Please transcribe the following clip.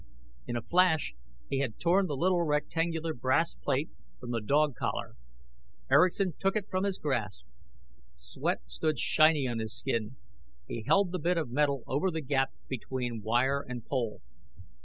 _" In a flash, he had torn the little rectangular brass plate from the dog collar. Erickson took it from his grasp. Sweat stood shiny on his skin. He held the bit of metal over the gap between wire and pole.